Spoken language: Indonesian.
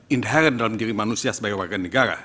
inherent dalam diri manusia sebagai warga negara